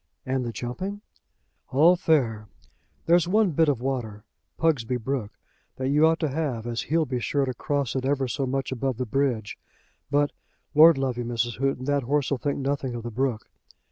"And the jumping?" "All fair. There's one bit of water, Pugsby Brook, that you ought to have as he'll be sure to cross it ever so much above the bridge. But, lord love you, Mrs. Houghton, that horse'll think nothing of the brook."